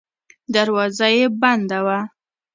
دروازه یې بنده وه.